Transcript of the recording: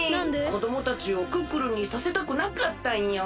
こどもたちをクックルンにさせたくなかったんよ。